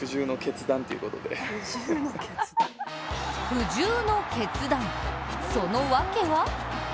苦渋の決断、その訳は？